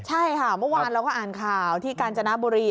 ใช่ค่ะเมื่อวานเราก็อ่านข่าวที่กาญจนบุรี